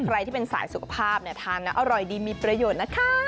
ใครที่เป็นสายสุขภาพทานอร่อยดีมีประโยชน์นะครับ